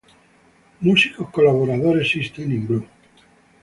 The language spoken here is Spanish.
Músicos colaboradores Systems in Blue.